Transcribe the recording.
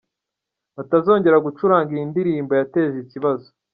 batazongera gucuranga iyi ndirimbo yateje ikibazo.